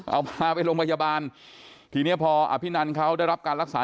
เอาพาไปโรงพยาบาลทีเนี้ยพออภินันเขาได้รับการรักษา